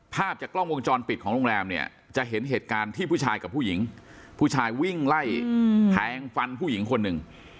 ภาพจากกล้องวงจรปิดของโรงแรมเนี่ยจะเห็นเหตุการณ์ที่ผู้ชายกับผู้หญิงผู้ชายวิ่งไล่แทงฟันผู้หญิงคนหนึ่ง